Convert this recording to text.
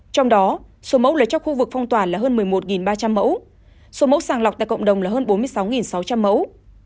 trong đó số mẫu lấy trong khu vực phong tỏa là hơn một mươi một ba trăm linh mẫu số mẫu sàng lọc tại cộng đồng là hơn bốn mươi sáu sáu trăm linh mẫu